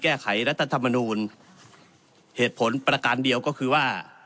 แก้ไขรัฐธรรมนูลเหตุผลประการเดียวก็คือว่า